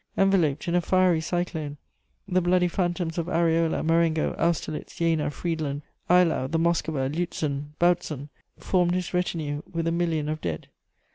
Enveloped in a fiery cyclone, the bloody phantoms of Areola, Marengo, Austerlitz, Jena, Friedland, Eylau, the Moskowa, Lützen, Bautzen formed his retinue with a million of dead.